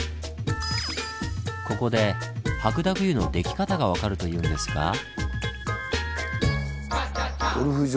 ここで白濁湯のでき方が分かるというんですが。